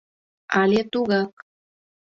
Але тугак...